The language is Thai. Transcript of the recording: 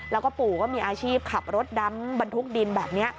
แล้วก็ปู่ก็มีอาชีพขับรถดำบรรทุกดินแบบนี้